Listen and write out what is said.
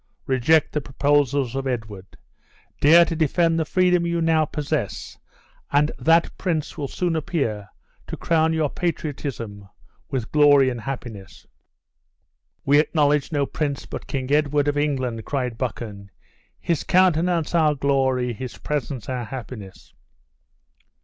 Reject the proposals of Edward, dare to defend the freedom you now possess, and that prince will soon appear to crown your patriotism with glory and happiness!" "We acknowledge no prince but King Edward of England!" cried Buchan. "His countenance our glory, his presence our happiness!"